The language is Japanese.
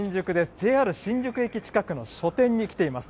ＪＲ新宿駅近くの書店に来ています。